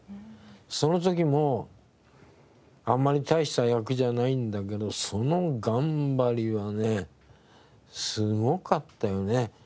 その時もあんまり大した役じゃないんだけどその頑張りはねすごかったよね。